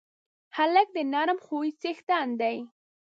هلک د نرم خوی څښتن دی.